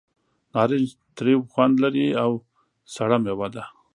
نارنج تریو خوند لري او سړه مېوه ده.